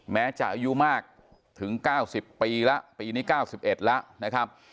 แม้จะอายุมากถึง๙๐ปีแล้วปีนี้๙๑แล้วนะครับ